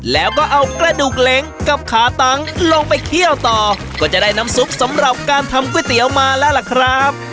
แล้วก็เอากระดูกเล้งกับขาตังลงไปเคี่ยวต่อก็จะได้น้ำซุปสำหรับการทำก๋วยเตี๋ยวมาแล้วล่ะครับ